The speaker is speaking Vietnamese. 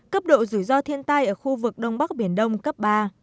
cấp độ rủi ro thiên tai ở khu vực đông bắc biển đông cấp ba